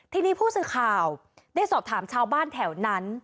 ทีนี้ผู้สื่อข่าวได้สอบถามชาวบ้านแถวนั้น